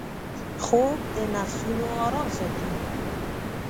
خوب د نفسونـو آرام ساتي